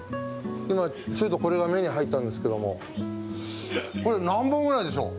今ちょいとこれが目に入ったんですけどもこれ何本ぐらいでょう？